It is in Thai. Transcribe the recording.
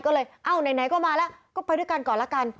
ก็เลยเอ้าไหนก็มาแล้วก็ไปด้วยกันก่อนละกัน